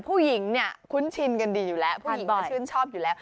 ผู้หญิงเนี่ยคุ้นชินกันดีอยู่แล้วผู้หญิงก็ชื่นชอบอยู่แล้ว